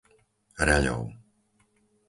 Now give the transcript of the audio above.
Reľov